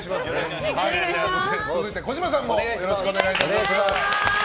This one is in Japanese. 続いて、児嶋さんもよろしくお願いします。